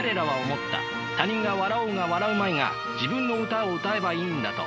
他人が笑おうが笑うまいが自分の歌を歌えばいいんだと。